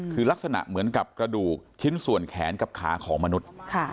คือลักษณะเหมือนกับกระดูกชิ้นส่วนแขนกับขาของมนุษย์